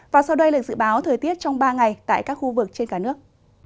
và sau đây là dự báo thời tiết trong ba ngày tại các khu vực trên cả nước